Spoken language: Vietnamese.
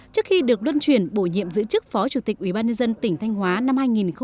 trước khi được luân chuyển bổ nhiệm giữ chức phó chủ tịch ubnd tỉnh thanh hóa năm hai nghìn một mươi sáu